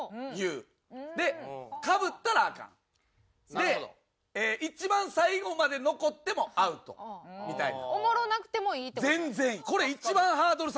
で一番最後まで残ってもアウトみたいな。